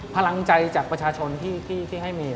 พลังใจจากประชาชนที่ให้มี